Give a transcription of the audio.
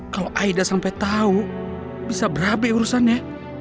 kalau aida sampai tahu bisa berabai urusannya